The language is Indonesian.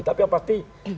tapi yang pasti